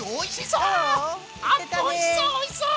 おいしそうおいしそう！